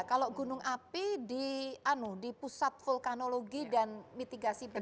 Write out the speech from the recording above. kalau gunung api di pusat vulkanologi dan mitigasi bencana